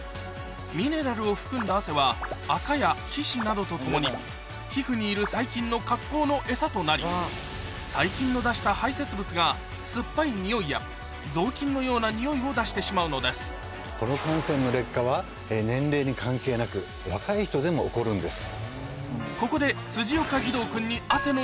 ミネラルを含んだ汗はアカや皮脂などとともに皮膚にいる細菌の格好のエサとなり細菌の出した排せつ物が酸っぱいにおいや雑巾のようなにおいを出してしまうのですこの汗腺の劣化は年齢に関係なく若い人でも起こるんです。